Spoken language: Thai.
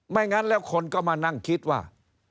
งั้นแล้วคนก็มานั่งคิดว่า